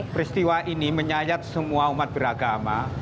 peristiwa ini menyayat semua umat beragama